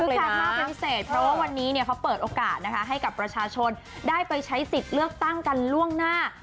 คือการมากเป็นพิเศษเพราะว่าวันนี้เขาเปิดโอกาสนะคะให้กับประชาชนได้ไปใช้สิทธิ์เลือกตั้งกันล่วงหน้า